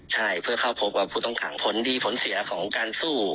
ใช่เพื่อเข้าพบกับผู้ต้องขังผลดีผลเสียของการสู้